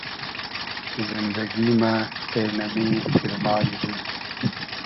زیندئگی مۂ اېنۂ می تیرمای دیل